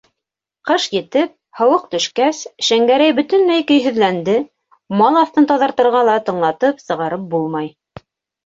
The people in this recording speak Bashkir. Ҡыш етеп, һыуыҡ төшкәс, Шәңгәрәй бөтөнләй көйһөҙләнде, мал аҫтын таҙартырға ла тыңлатып сығарып булмай.